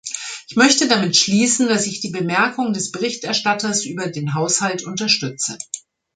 Ich möchte damit schließen, dass ich die Bemerkung des Berichterstatters über den Haushalt unterstütze.